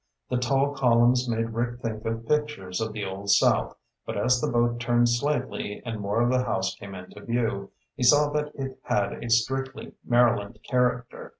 The tall columns made Rick think of pictures of the Old South, but as the boat turned slightly and more of the house came into view, he saw that it had a strictly Maryland character.